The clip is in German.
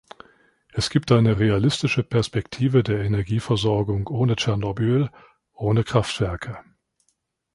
Es gibt eine realistische Perspektive der Energieversorgung ohne Tschernobyl, ohne Kraftwerke.